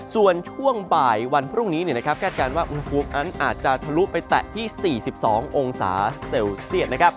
ส่วนช่วงบ่ายวันพรุ่งนี้คาดการณ์ว่าอุณหภูมินั้นอาจจะทะลุไปแตะที่๔๒องศาเซลเซียต